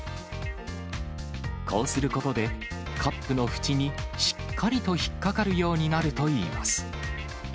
こうすることで、カップの縁にしっかりと引っ掛かるようになるといいます。